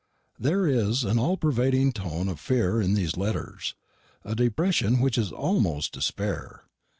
There is an all pervading tone of fear in these letters a depression which is almost despair.